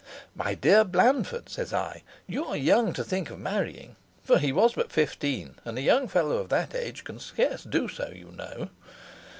"'My dear Blandford,' says I, 'you are young to think of marrying;' for he was but fifteen, and a young fellow of that age can scarce do so, you know.